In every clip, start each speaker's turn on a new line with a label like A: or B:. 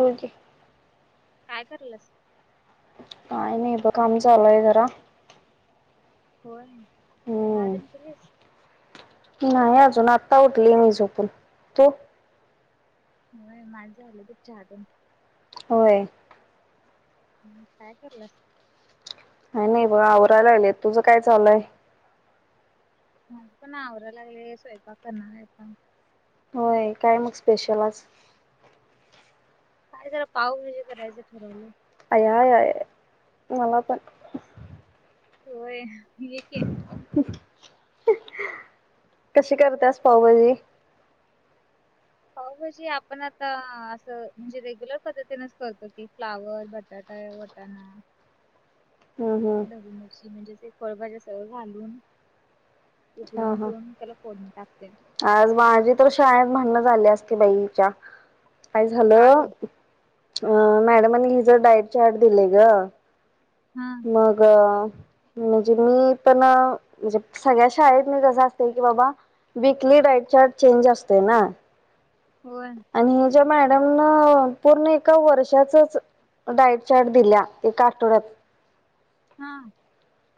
A: होकी
B: काय करलस
A: काय नाही ब काम चालूय घरा
B: होय दहा
A: हम्म
B: दिन पलीस
A: नाही अजून आत्ता उठली मी झोपून तो
B: होय माझं आलं तुप्च्या हातून
A: होय
B: ह कायकरला
A: नाही नाही बघ आवरायला लाले तुझं काय चाललंय
B: माझ पण आवरा लागले स्वयंपाकणार
A: होय काय मग स्पेशलच
B: काय जरा पाव म्हणजे करायचं ठरवले
A: आया मला पण
B: होय ये की
A: कशी करतस पाऊभाजी
B: पाव भाजी आपण आता असं म्हणजे रेग्युलर करत फ्लावर बटाटा. त्यांना.
A: हम्म हम्म
B: ढोबळी मिरची म्हणजे फळभज्या सगळं घालून
A: हा
B: उकडून घेऊन त्याला. फोडणी टाकतंय.
A: आज माझी तर शाळेत भांडण झाले असते बाई इचा काय
B: का
A: झालं
B: ग
A: मॅडमनी हिचं डाईट चार्ट दिलेय गं
B: हम,
A: मगं. म्हणजे मी तानं सगळ्या शाळेत मी कसं असते की बाबा विकली डाईट चार्ट चेंज असते ना.
B: होय.
A: आणि ह ज्या मॅडम न पूर्ण एका वर्षाचच डायट चार्ट दिल्या एका आठवड्यात.
B: हा.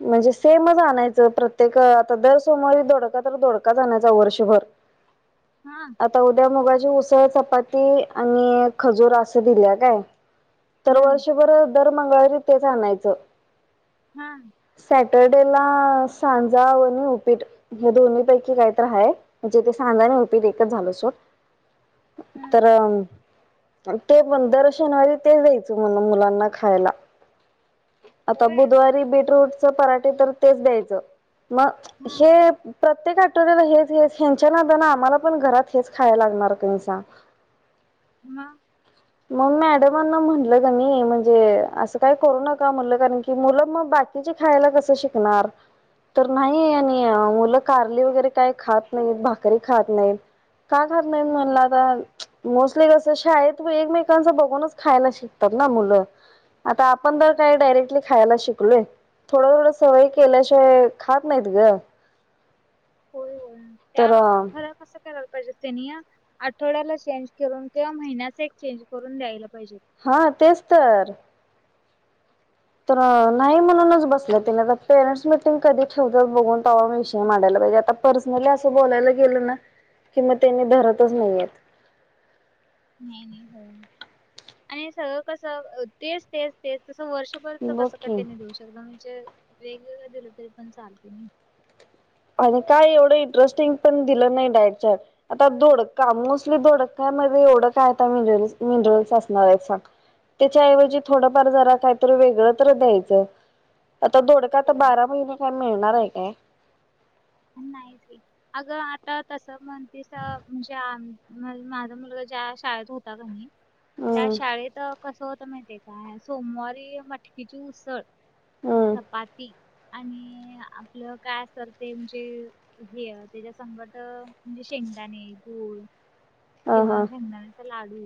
A: म्हणजे सेमचं आणायचं प्रत्येक आता दर सोमवारी धोडका तर धोडका आणायचं वर्षभर.
B: हा.
A: आता उद्या मुगाची उसळ चपाती आणि खजुर असं दिल्या काय. तर
B: हम्म
A: वर्षभर दर मंगळवारी तेच आणायचं
B: हा.
A: सॅटर्डे ला सांजा आणि उपीट. हे दोन्ही पैकी काहीत आहे म्हणजे ते सांगना उपीट एकच झाल सोड
B: हा
A: तरंग ते पण दर शनिवारी ते दयचे म्हणं मुलांना खायला आता
B: होय
A: बुधवारी बीटरूचं पराठे तर तेच दयांचे मग
B: हा
A: हे प्रत्येक आठवड्याला हेच हेच हच्या नादाना आम्हाला पण घरात हेच खायला लागणार कि सांग नाही
B: मगं.
A: मग मॅडमांना म्हणलं गणी म्हणजे असं काय करू नका म्हणलं कारण कि मुलं मग बाकी खायला कसं शिकणार. तर नाही मुलं कारली वगैरे काय खातं नाहीतं भाकरी खातं नाहीतं काय करणार नाही
B: हम्म
A: म्हणला आता मोस्टली कसं शाळेंत. तू एकमेकांचं बघूनचं खायला शिकतात ना मुलं. आता आपण त काही डायरेक्टली खायला शिकलोयं थोडं थोड सवय केल्याशिवाय खातं नाहीत. गं.
B: होय होय त्या
A: तर
B: खरं कसं करायला पाहिजे. त्यांनी आठवड्याला चेंज करून किंवा महिन्याचं एक चेंज करून दयाला पाहिजे.
A: हा तेचं तर. तर नाही म्हणूनच बसले तिने पॅरिस मीटिंग कधी ठेवत बघून तेव्हा [inaudible] पाहिजे आता पर्सनली असं बोलायला गेल ना कि मग त्यांनी धरतचं नाहीयेतं.
B: नाही नाही हो आणि सगळं कसं तेचं तेचंतेचं तसं वर्ष. शुगरचं
A: बघ
B: कसं कंटेनर काय
A: की
B: त्यांनी देऊ शकता म्हणजे वेगवेगळं दिलं तरी पण चालते.
A: आणि काय एवढं इंटरेस्टिंग पण दिलं नाही. डायटच्या आता धोडका मोस्टली धोडक्या नव्हे एवढं काय मिनर मिनरल्स असणार आहे सांग. त्याच्याऐवजी थोडंफार जरा काहीतरी वेगळं तर दयांचे. आता दोडका तर
B: हो
A: बारा महिने काय मिळणार आहे काय.
B: नाहीच. अगं आता तस म्हणतीस म्हणजे माझा मुलगा ज्या शाळेत होता का. नाही. त्या
A: हम्म
B: शाळेत कसं होत माहिती काय सोमवारी मटकीची उसळं.
A: हम्म
B: चपाती आणि आपलं काय असल ते हे त्याच्या संकट म्हणजे शेंगदाणे गूळ
A: ह
B: किंवा
A: हा
B: शेंगदाण्याचा लाडू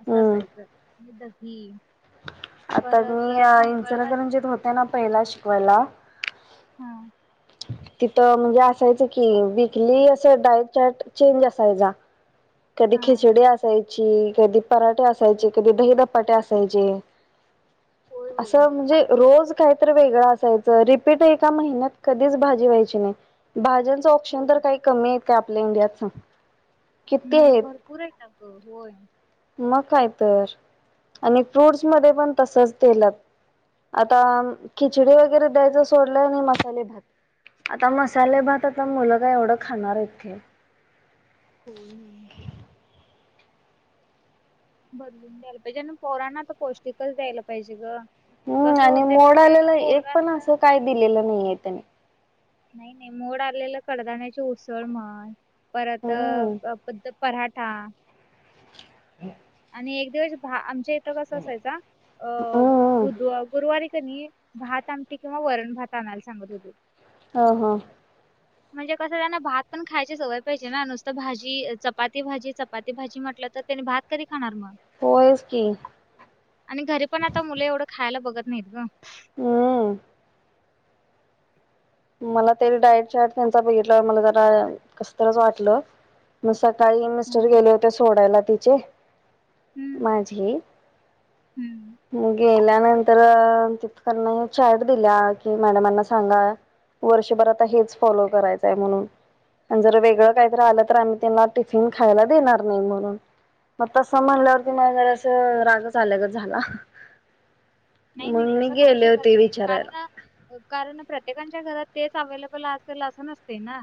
B: असं
A: हम्म
B: असायचं म्ह दही.
A: आता
B: परत
A: मी इंचन तर
B: मंगळवारी
A: म्हणजेत होते ना पहिला शिकवायला.
B: हा.
A: तिथं म्हणजे असायचं की वीकली असं डायट चार्ट चेंज असायचा. कधी
B: हा
A: खिचडी असायची कधी पराठे असायचे कधी दहीधपाटे असायचे.
B: होय होय
A: असं म्हणजे रोज कात वेगं असायच रिपीट ए महिन्यात कधीच भाजी व्हायची नाही भाज ऑप्शन
B: होय
A: तर काही कमी आहेत का आपल्या इंडियात किती
B: नाही
A: आहेत.
B: भरपूर आहे ट ग होय.
A: मग काय तर आणि फ्रूट्स मध्ये पण तसच तेलत. आता खिचडी वगैरे द्यायच सोडलंय आणि मसाले भात आता मसाले भात आता मुलं काय एवढं खाणार इथे
B: हो. ना. बदलून दयाला पाहिजे आणि पोरानां तर पौष्टिकचं दयायला पाहिजे गं
A: हम्म आणि मोड आलेला एक पण असं काय दिलेलं नाहीय त्याने
B: नाही नाही मोड आलेलं कडधान्य उसळ म्हणं. परत
A: हम्म
B: पद्ध पराठा.
A: हम.
B: आणि एक दिवस भा आमच्या इथं कसं असायचा अ
A: हम्म
B: बुधव गुरुवारी का नाही भात आमट किंवा वरण भात आणायला सांगत होते.
A: ह हां.
B: [unintelligible] म्हणजे कसं त्यांना भात पण खायची सवय पाहिजे ना नुसतं भाजी चपाती भाजी चपाती भाजी म्हटलं तर त्यानी भात. तरी खाणार मग
A: होोइस् की
B: आणि घरी पण आता मुलं एवढं खायला बघत नाहीत ग.
A: हम्. मला तरी डायट चार्ट त्यांचा बघितला मला जरा कसतच वाटलं. मग सकाळी मिस्टर
B: हम्म.
A: गेले होते सोडायला तिचे
B: हम्म
A: माझी
B: हम्म
A: म गेल्यानंतर तर तिथकना चॅ्ट दिल्या की मॅडमांना सांगा. वर्षभर आता हेच फॉलो करायचंय म्हणून आणि जर वेगळं काहीतरी आलं तर आम्ही त्यांना टिफिन खायला देणार नाही म्हणून मग तसं म्हणल्यावरती म जरा अस रागच आलगच झाला.
B: नाही नाही
A: म्हणून मी
B: तसं करू
A: गेले
B: शकत
A: होते
B: नाहीत
A: विचारायला
B: कारण कारण प्रत्येकांच्या घरात तेच अव्लेबल असेल असं नसते ना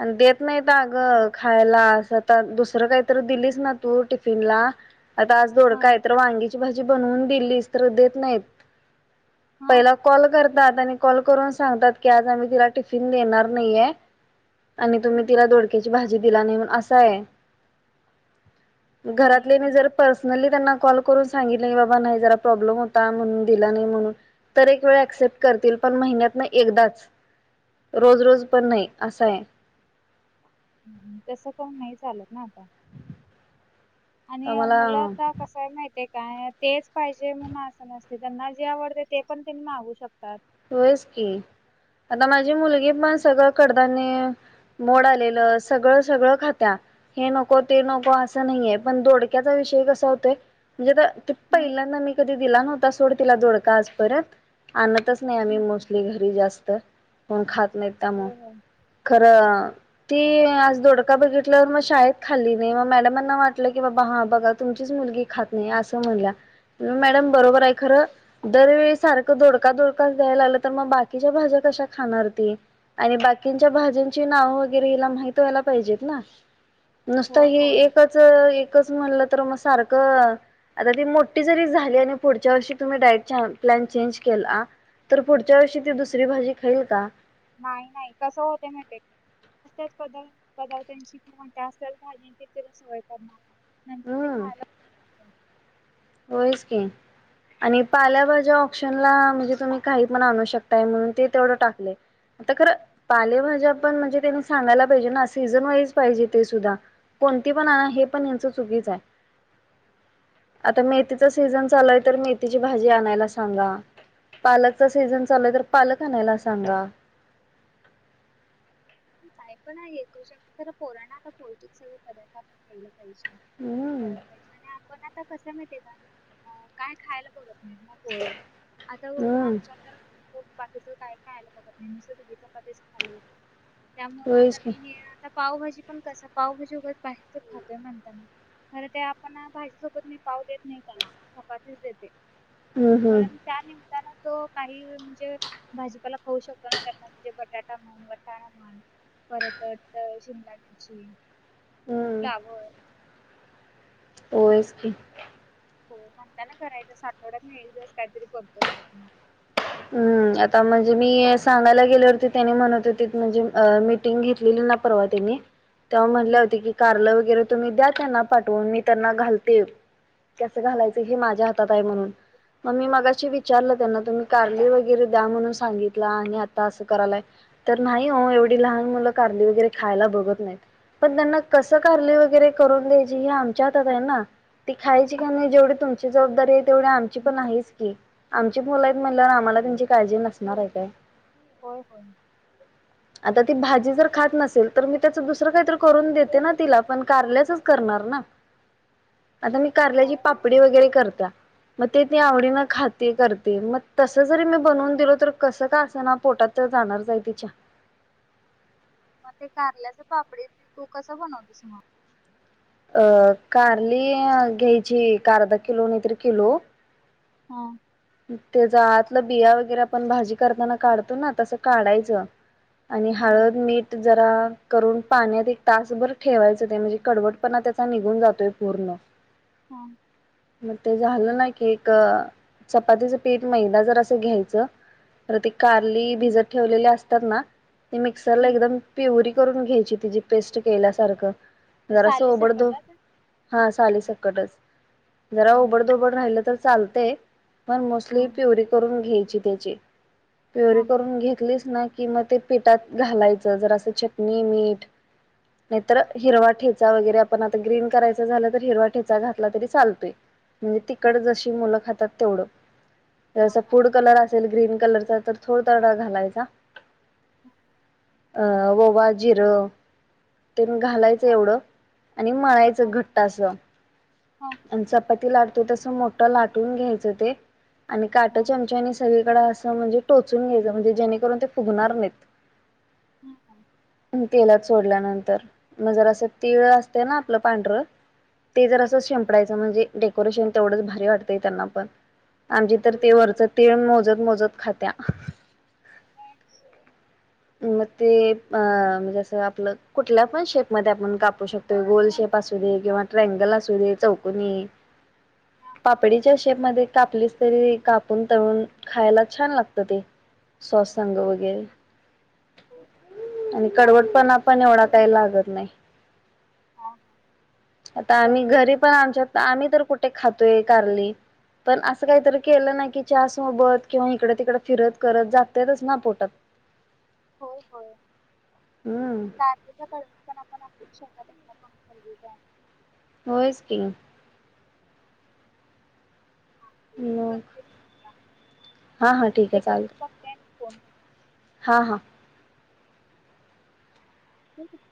A: आणि देत नाहीत अगं खायला असं तर दुसरं काहीतरी दिलीस ना तू टिफिनला आता आज थोड
B: हा
A: काय तर वांगीची भाजी बनवून दिलीस तर देत नाहीत.
B: हा
A: पहिला कॉल करतात आणि कॉल करून सांगतात की आज आम्ही तिला टिफिन देणार नाहीे. आणि तुम्ही
B: हम्म.
A: तिला डोडक्याची भाजी दिला नाही म्हण असा आहे.
B: नाही नाही
A: घरातलेने जर
B: तस-
A: प पर्नली त्यांना कॉल करून सांगितलं की बाबा नाही जरा प्रॉब्लेम होता म्हणून दिला नाही म्हणून तर एक वेळ ऍक्सेप्ट करतील पण महिन्यात ना एकदाच रोज रोज पण नाही असं आहे.
B: तसं पण नाही चालत ना आता
A: तर
B: आणि
A: मला
B: मुलंता कसं माहितीय काय तेच पाहिजे मून असं नसते त्यांना जे आवडते ते पण त्यां मागू शकतात
A: होयच की आता माझी मुलगी पण सगळं कडधने मोड आलेलं सगळं सगळं खात्या हे नको ते नको असं नाहीये पण धोडक्याचा विषय कसा होतोय म्हणजे
B: हम्म,
A: पहिल्यांदा मी कधी दिला नव्हता सोड तिला जोडका आजपर्यंत अन त नाही आम्ही
B: हम्म.
A: मोस्टली घरी जास्त पण खात नाही त्यामु
B: होय होय
A: खरं ती आज दधोडका बघितल्यावर मग शाळेत खाल्ली नाही मग मॅडमांना वाटलं की बाबा हा बघा तुमचीच मुलगी अस म्ह मड बरोबर आहे खर दरवे सार दड द्यायला आलं तर मग बाकीच्या भाज्या कशा खाणार त आणि बाकींच्या भाज्यांची नाव वगैरे हिला माहित व्हायला पाहिजेत ना नुसत
B: होय
A: ही
B: होय
A: एकच एकच म्हणलं तर मग सारखं आता ती मोठी जरी झाली आणि पुढच्या वर्षी तुम्ही डाईट प्लॅन चेंज केला तर पुढच्या वर्षी ती दुसरी भाजी खाईल का
B: नाही नाही कसं होते म ते असच पदार्थ पदार्थांची म्हणते असलच भाज तिला सोय करणार नंतर ते खायला पण नाही.
A: होईच की आणि पाल्या भाज्या ऑप्शनला म्हणजे तुम्ही काही पण आणू शकताय म्हणून ते तेवढं टाकलय. आता खरं पालेभाज्या पण म्हणजे त्यांनी सांगायला पाहिजे ना सीझन वाईज पाहिजे ते सुद्धा कोणती पण आण हे पण यांचं चुकीच आहे. आता मेथीचा सीझन चालय तर मेथीची भाजी आणायला सांगा. पालकचा सीझन चालूय तर पालक आणायला सांगा.
B: काय पण आ ये शकत तर पोरांना आता पौष्टिक सगळे पदार्थ आपण द्यायला पाहिजे.
A: हम्म
B: करायला पाहिजे आणि आपण आता कसय माहितीये का अ काय खायला बघत नाहीत म हो आता हो
A: हम्म
B: आमच्या तर बाकीचं काय खायला बघत नाही नुसतं दुधी चपातीच खायला बघतोय. त्यामुळे आता
A: होयच की
B: मी हे आता पावभाजी पण कस पावभाजी वगैरे बाहेरचं खातोय म्हणताना. खर ते आपण भाजी सोबत मी पाव देत नाही त्याला चपातीच देते
A: हम्म हम्म
B: कारण त्या निमंतान तो काही म्हणजे भाजीपाला खाऊ शकतो ना त्यातन म्हणजे बटाटा म्हण वटाणा म्हण. परत टत शिमला मिर्ची
A: हम्म
B: फ्लावर
A: होयच कि.
B: हो म्हणताना करायच्याच आठवड्यात मी एक दिवस काहीतरी करतो घरात मग.
A: हम्म आता म्हणजे मी सांगायला गेल्यावरती त्याने म्हणत होतित म्हणजे मी टिंग घेतलेली ना परवा त्यांनी तेव्हा म्हणल्या
B: हम्म.
A: होत्या कि कारलं वगैरे तुम्ही द्या त्यांना पाठवून मी त्यांना घालते कस घालायचं हे माझ्या हात तात आहे म्हणुन म मी मगाशी
B: हा.
A: विचारलं त्यांना तुम्ही कारली वगैरे द्या म्हणून सांगितला आणि आता असं करायलाय. तर नाही हो एवढी लहान मुलं कारली वगैरे खायला बघत नाहीत. पण त्यांना कसं कारली वगैरे करून द्यायची हे आमच्या हातात आहे ना. ती खायची का नाही जेवढी तुमची जबाबदारी आहे तेवढी आमची पण आहेच की आमची पो म्हणल्यावर आम्हाला त्यांची काळजी नसणारय काय?
B: होय होय.
A: आता ती भाजी जर खात नसेल तर मी त्याच दुसरं काहीत करून देते ना तिला पण कारल्याचच करणार ना.
B: [inaudible]
A: आता मी
B: होय
A: कारल्याची
B: होय.
A: पापडी वगैरे करतिया. मग ते ती आवडीन खाते करते मग तसं जरी मी बनवून दिलो तर कसं का असं ना पोटात तर जाणारचय तिच्या.
B: मग ते कारल्याच पापडी तू कस बनवतिस मग?
A: अ कारली घ्यायची एक अर्धा किलो नाहीतर किलो.
B: हा.
A: त्याच आतलं बिया वगैरे आपण भाजी करताना काढतो ना तसं काढायचं. आणि
B: हा
A: हळद, मीठ जरा करून पाण्यात एक तासभर ठेवायचं ते म्हणजे कडवटपणा त्याचा निघून जातोय पूर्ण.
B: हा.
A: मग ते झालं ना की एक चपातीचं पीठ मैदा जरासं घ्यायचं. तर ती कारली
B: हम्म,
A: भिजत ठेवलेली असतात ना ते मिक्सरला
B: हम्म.
A: एकदम प्युरी करून घ्यायची तिजी पेस्ट केल्यासारखं जरास
B: साली
A: ओबड धोब
B: सकट
A: हा सली सकटच जरा ओबड
B: हं,
A: धोबड राहिलं तर चालतय. पण मोस्टली
B: हं,
A: प्युरी करून घ्यायची त्याची प्युरी
B: हं, हं,
A: करून घेतलीस ना कि मग ते पिटात घालायचं जरासं चटणी, मीठ. नाहीतर हिरवा ठेचा वगैरे आपण आता ग्रीन करायच झालं तर हिरवा ठेचा घातला तरी चालतोय.
B: [inaudible]
A: म्हणजे तिकट
B: हं, हं,
A: जशी मुलं खातात तेवढं
B: हं,
A: जरासं
B: हं,
A: फूड कलर असेल ग्रीन कलरचा तर थोडडा घालायचा
B: ह
A: अ ववा जिरं तेन घालायचं
B: हं,
A: एवढं आणि मळायचं घट्ट असं
B: हां
A: आणि चपाती लाटतो तस मोठ लाटून घ्यायचं ते आणि काट
B: हं, हं,
A: चमचानी सगळीकडे म्हणजे टोचून घ्यायचं म्हणजे जेणेकरून ते फुगणार नाहीत
B: हां
A: तेलात सोडल्यानंतर मग जर असं तिळ असते ना आपलं पांढरं ते जर अस शिंपयचं म्हणजे डेकोरेशन तेवढंच भारी वाटतंय त्यांना पण आम तर
B: होय,
A: ते
B: होय.
A: वरच तीळ मोजत मोजत खात्या
B: नाही, नाही,
A: मग ते अ
B: चालेल.
A: म्हजे असं आपलं कुठल्या पण शेप मध्ये आपण कापू शकतो गोल शेप असू दे किंवा ट्रागल अस रे चौकुणी
B: हां, हां,
A: पापडीच्या शेप मध्ये कापलीस तरी कापून तळून खायला छान लागत ते स्वस्त संघ
B: होय,
A: वगैरे
B: होय.
A: आणि
B: चालते मी
A: कडवटपणा पण एवढा काय लागत नाही
B: हां हां
A: आता आम्ही घरी पण आमच्यात आम्ही तर कुठे खातोय कारली पण असं
B: हं,
A: काहीतरी केलं नाही की च सोबत किंवा इकडे तिकड फिरत करत जातेतच ना पोटात
B: हो होय
A: हम्म
B: कार त्याच्याळ पण आपण आपल्या शहरात अस कमी गरजेचं आहे
A: वस् किंग
B: सांगते
A: म
B: करते की मी पण.
A: हा हा ठीक आहे चाल
B: का फोन कर
A: हां हां
B: ठीक आहे